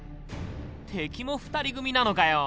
敵も２人組なのかよ。